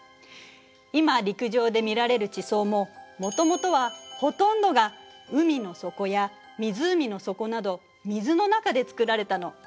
今陸上で見られる地層ももともとはほとんどが海の底や湖の底など水の中で作られたの。